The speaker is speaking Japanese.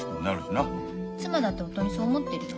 妻だって夫にそう思ってるよ。